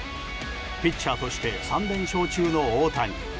ピッチャーとして３連勝中の大谷。